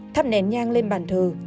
thắp nén nhang lên bàn thờ